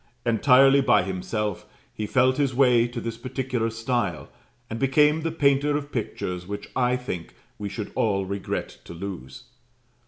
Entirely by himself, he felt his way to this particular style, and became the painter of pictures which I think we should all regret to lose.